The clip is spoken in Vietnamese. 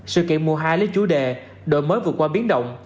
sự kiện mùa hai lấy chủ đề đổi mới vượt qua biến động